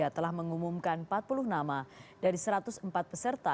telah mengumumkan empat puluh nama dari satu ratus empat peserta